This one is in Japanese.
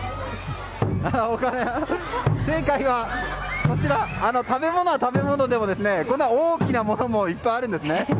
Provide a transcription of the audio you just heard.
正解は、食べ物は食べ物でもこんなに大きなものもいっぱいあるんです。